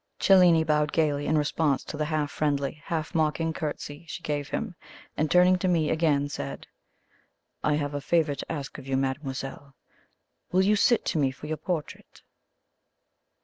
Cellini bowed gaily in response to the half friendly, half mocking curtsey she gave him, and, turning to me again, said: "I have a favour to ask of you, mademoiselle. Will you sit to me for your portrait?"